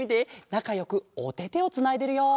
なかよくおててをつないでるよ！